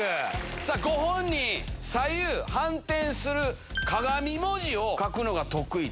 さあ、ご本人、左右反転する鏡文字を書くのが得意と。